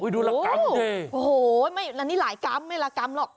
ดูระกำเฮ้ยโอ้โหและนี่หลายกำไม่ระกำหรอก